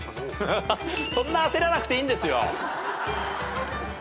そんな焦らなくていいんですよ。